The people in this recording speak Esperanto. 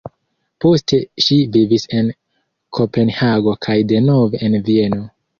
Poste ŝi vivis en Kopenhago kaj denove en Vieno.